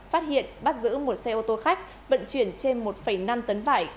phát hiện bắt giữ một xe ô tô khách vận chuyển trên một năm tấn vải